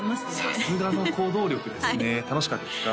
さすがの行動力ですね楽しかったですか？